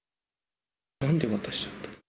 なんで渡しちゃった？